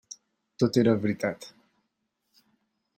Tot era veritat.